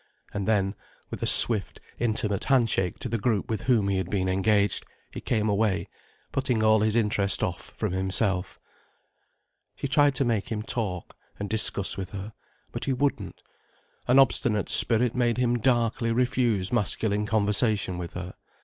And then, with a swift, intimate handshake to the group with whom he had been engaged, he came away, putting all his interest off from himself. She tried to make him talk and discuss with her. But he wouldn't. An obstinate spirit made him darkly refuse masculine conversation with her.